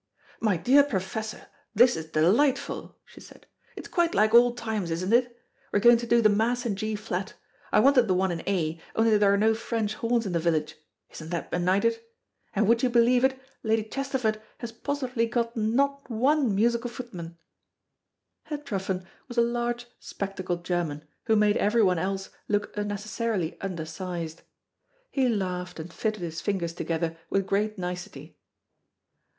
"My dear Professor, this is delightful," she said. "It's quite like old times, isn't it? We're going to do the Mass in G flat. I wanted the one in A, only there are no French horns in the village isn't that benighted? And would you believe it, Lady Chesterford has positively got not one musical footman." Herr Truffen was a large, spectacled German, who made everyone else look unnecessarily undersized. He laughed and fitted his fingers together with great nicety.